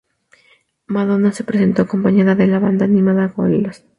Madonna se presentó acompañada de la banda animada Gorillaz.